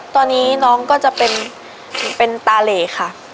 ตอนนี้น้องก็จะเป็นตาเหลค่ะ